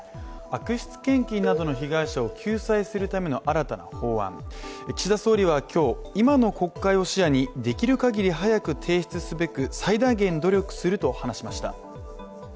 悪質献金などの被害者を救済するための新たな法案、岸田総理は今日、今の国会を視野にできるかぎり早く提出すべく最大限努力すると話しました。